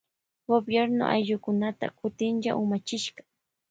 Gobierno ayllukunata kutinlla umachishka.